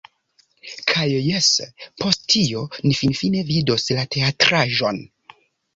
Kaj jes, post tio, ni finfine vidos la teatraĵon